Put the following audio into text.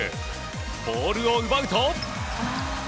ボールを奪うと。